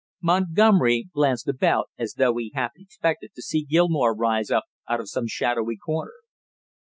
Montgomery glanced about as though he half expected to see Gilmore rise up out of some shadowy corner.